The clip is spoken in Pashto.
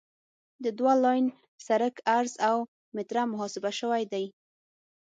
د دوه لاین سرک عرض اوه متره محاسبه شوی دی